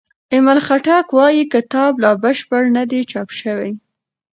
ایمل خټک وايي کتاب لا بشپړ نه دی چاپ شوی.